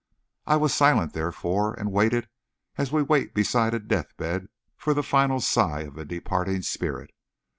I was silent, therefore, and waited as we wait beside a death bed for the final sigh of a departing spirit.